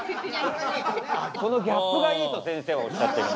このギャップがいいとせんせいはおっしゃってる。